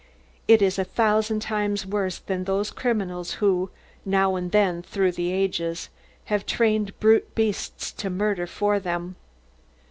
It is a thousand times worse than those criminals who, now and then throughout the ages, have trained brute beasts to murder for them.